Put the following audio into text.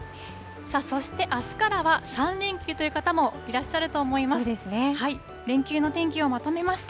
そしてあすからは、３連休という方もいらっしゃると思います。